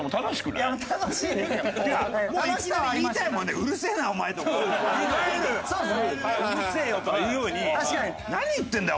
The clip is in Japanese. いわゆる「うるせえよ」とか言うように「何言ってんだよ？